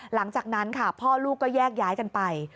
หลังจากนั้นค่ะพ่อลูกก็แยกย้ายกันไป